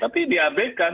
tapi di ab kan